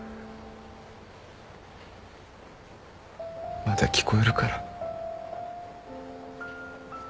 まだ聞こえるから。